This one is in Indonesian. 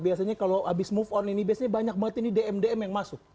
biasanya kalau habis move on ini biasanya banyak banget ini dm dm yang masuk